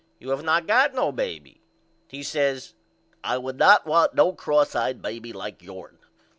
You have not got no baby. He says I would not want no X eyed baby like yourn.